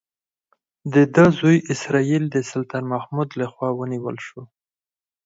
د ده زوی اسراییل د سلطان محمود لخوا ونیول شو.